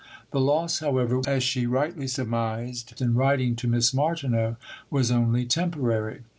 The loss, however, as she rightly surmised in writing to Miss Martineau, was only temporary.